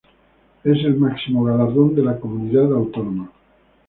Es el máximo galardón de la comunidad autónoma.